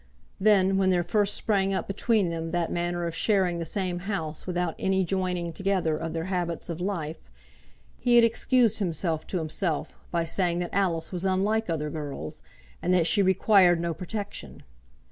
Then, when there first sprang up between them that manner of sharing the same house without any joining together of their habits of life, he had excused himself to himself by saying that Alice was unlike other girls, and that she required no protection.